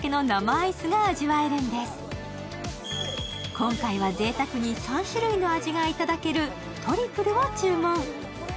今回はぜいたくに３種類の味がいただけるトリプルを注文。